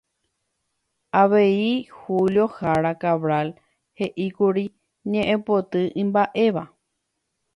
Avei Julio Jara Cabral heʼíkuri ñeʼẽpoty imbaʼéva.